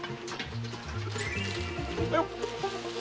よっ。